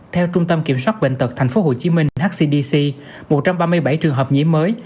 theo trung tâm kiểm soát bệnh tật tp hcm hcdc một trăm ba mươi bảy trường hợp nhiễm mới